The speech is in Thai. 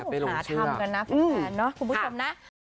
ไปลงเชื่อคุณผู้ชมนะ